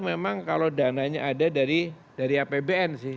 memang kalau dananya ada dari apbn sih